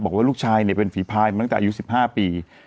บอกว่าลูกชายเป็นฝีพายมาตั้งแต่อายุ๑๕ปี